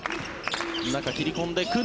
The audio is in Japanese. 中、切り込んでくる。